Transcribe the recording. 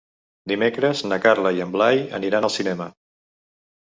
Dimecres na Carla i en Blai aniran al cinema.